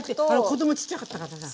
子供ちっちゃかったからさ。